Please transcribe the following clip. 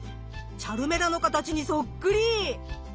チャルメラの形にそっくり！